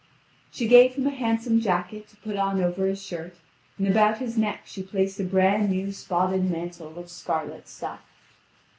She gave him a handsome jacket to put on over his shirt, and about his neck she placed a brand new spotted mantle of scarlet stuff.